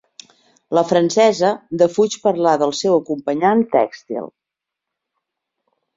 La francesa defuig parlar del seu acompanyant tèxtil.